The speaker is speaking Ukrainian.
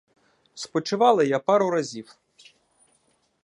Спочивала я пару разів.